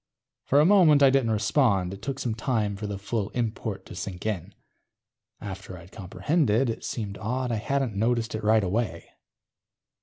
For a moment I didn't respond. It took some time for the full import to sink in. After I'd comprehended, it seemed odd I hadn't noticed it right away.